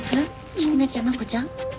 優菜ちゃん真子ちゃん？